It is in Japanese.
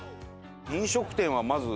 飲食店はまず。